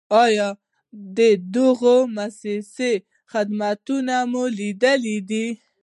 آیا د دغو مؤسسو خدمتونه مو لیدلي دي؟